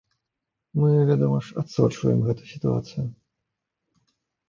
Мы, вядома ж, адсочваем гэту сітуацыю.